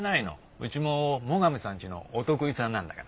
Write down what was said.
うちも最上さんちのお得意さんなんだから。